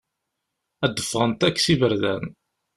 Ad d-ffɣent akk s iberdan.